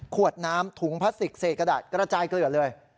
ขวดน้ำถุงพลาสติกเศษกระดาษกระจายเกลือเลย